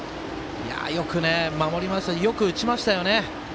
よく守りましたしよく打ちましたよね。